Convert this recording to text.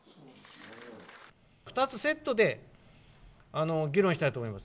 ２つセットで議論したいと思います。